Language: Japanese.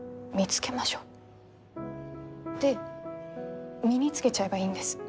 で身につけちゃえばいいんです。